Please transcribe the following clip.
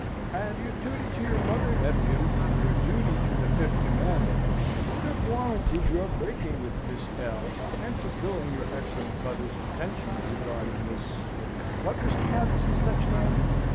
And your duty to your mother, nephew, your duty to the Fifth Commandment, would have warranted your breaking with Miss L., and fulfilling your excellent mother's intentions regarding Miss What was the Countess's Dutch name?